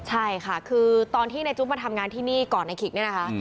ใช่ค่ะคือตอนที่ในจุ๊บมาทำงานที่นี่ก่อนในขิกเนี่ยนะคะ